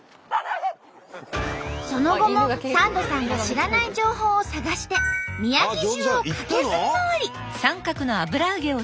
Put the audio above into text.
その後もサンドさんが知らない情報を探して宮城中を駆けずり回り。